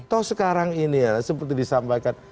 toh sekarang ini ya seperti disampaikan